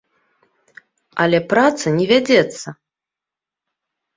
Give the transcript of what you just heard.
Але праца не вядзецца!